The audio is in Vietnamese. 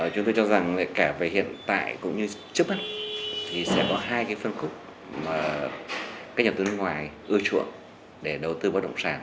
chúng tôi cho rằng cả về hiện tại cũng như trước mắt thì sẽ có hai phân khúc mà các nhà đầu tư nước ngoài ưa chuộng để đầu tư bất động sản